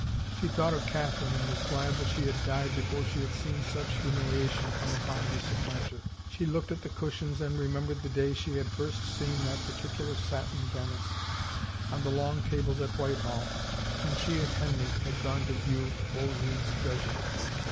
She thought of Catherine and was glad that she had died before she had seen such himiiliation come upon her supplanter. She looked at the cushions and remembered the day she Had first seen that particu lar satin damask — on the long tables at Whitehall when she and Henry had gone to view Wolsey's treasures.